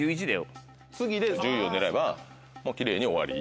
次で１０位を狙えば奇麗に終わり。